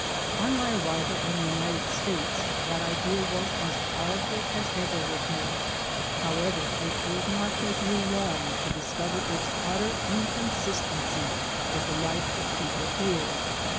On my arrival in the United States, that idea was as powerful as ever with me. However, it did not take me long to discover its utter inconsistency with the life of people here.